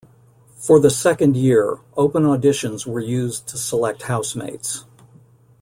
For the second year, open auditions were used to select housemates.